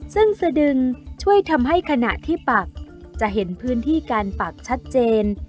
ซึ่งสดึงช่วยทำให้ขณะที่ปักจะเห็นพื้นที่การปักชัดเจน